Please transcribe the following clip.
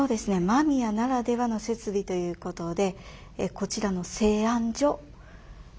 間宮ならではの設備ということでこちらの製あん所。